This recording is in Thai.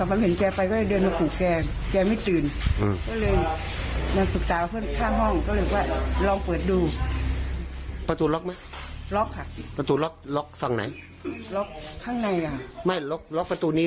อ่าแล้วเราเข้าจนเชื่อมทั้งไหน